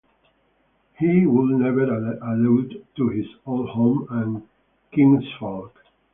He would never allude to his old home and kinsfolk.